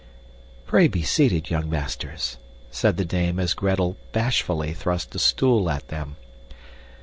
"Pray be seated, young masters," said the dame as Gretel bashfully thrust a stool at them.